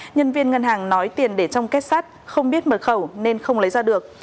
nhân viên ngân hàng nói tiền để trong kết sát không biết mở khẩu nên không lấy ra được